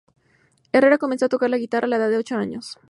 Herrera comenzó a tocar la guitarra a la edad de ocho años.